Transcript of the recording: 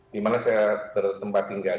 di mana saya tertempat tinggal